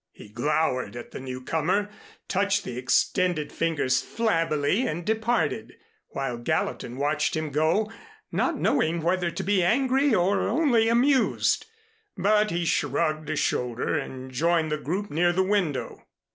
He glowered at the newcomer, touched the extended fingers flabbily and departed, while Gallatin watched him go, not knowing whether to be angry or only amused. But he shrugged a shoulder and joined the group near the window.